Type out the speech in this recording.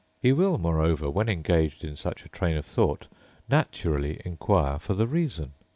He will, moreover, when engaged in such a train of thought, naturally inquire for the reason.